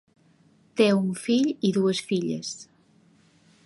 Té un fill i dues filles.